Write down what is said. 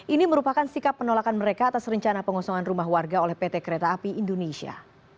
ini merupakan sikap penolakan mereka atas rencana pengosongan rumah warga oleh pt kereta api indonesia